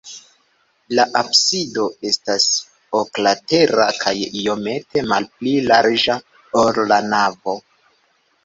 La absido estas oklatera kaj iomete malpli larĝa, ol la navo.